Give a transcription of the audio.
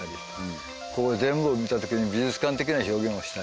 ここ全部見た時に美術館的な表現をしたい。